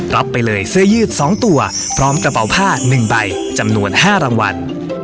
รับไปเลยเสื้อยืด๒ตัวพร้อมกระเป๋าผ้า๑ใบจำนวน๕รางวัล